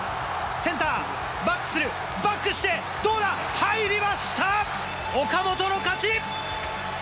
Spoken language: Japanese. センター、バックする、バックして、どうだ、入りました。